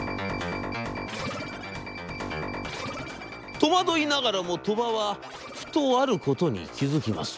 「とまどいながらも鳥羽はふとあることに気付きます。